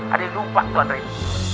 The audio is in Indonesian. adil rupak tuan reif